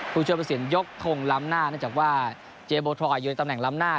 ผู้ช่วยประสินยกทงล้ำหน้าเนื่องจากว่าเจโบทอยยืนตำแหล้ำหน้า